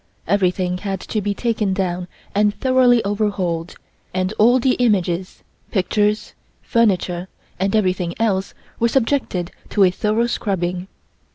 Everything had to be taken down and thoroughly overhauled, and all the images, pictures, furniture and everything else were subjected to a thorough scrubbing.